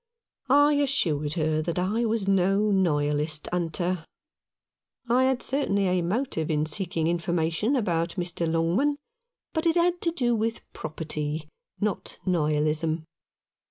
I assured her that I was no Nihilist hunter. I had certainly a motive in seeking information about Mr. Longman ; but it had to do with property, and not Nihilism.